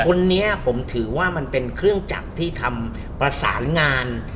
คนนี้ผมถือว่ามันเป็นเครื่องจักรที่ทำประสานงาน